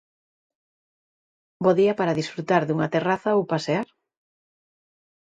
Bo día para desfrutar dunha terraza ou pasear.